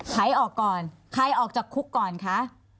หายออกก่อนใครออกจากคุกก่อนคะ